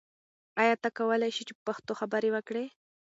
ایا ته کولای شې چې په پښتو خبرې وکړې؟